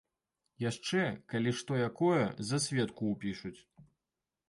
Яшчэ, калі што якое, за сведку ўпішуць.